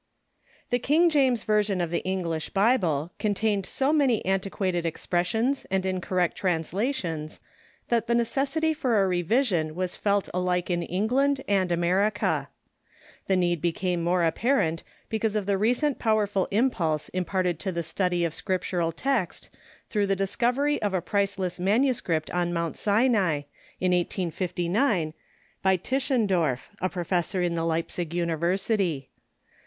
] The King James version of the English Bible contained so many antiquated expressions and incorrect translations that the necessity for a revision was felt alike in Eng ine Need o a I ^^ America, The need became more ap New Translation _ r parent because of the recent powerful impulse imparted to the study of the Scriptural text through the dis covery of a priceless manuscript on Mount Sinai, in 1859, by Tischendorf, a professor in the Leipzig University.